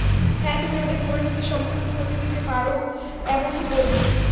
হ্যাঁ, তুমি ওদেরকে পরিস্থিতির সম্মুখীন হতে দিতে পারো, এমনি বলছি।